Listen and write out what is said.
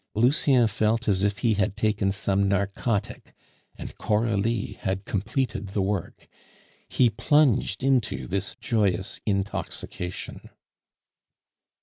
Lucien felt as if he had taken some narcotic, and Coralie had completed the work. He plunged into this joyous intoxication.